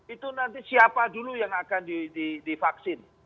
itu nanti siapa dulu yang akan divaksin